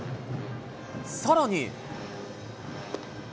さらに。